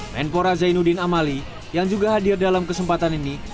menpora zainuddin amali yang juga hadir dalam kesempatan ini